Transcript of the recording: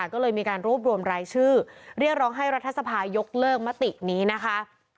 ก็เลยมีการรวบรวมรายชื่อเรียกร้องให้รัฐสภายกเลิกมตินี้นะคะ